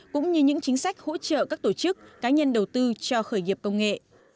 cũng như những chính sách hỗ trợ các tổ chức cá nhân đầu tư cho khởi nghiệp công nghệ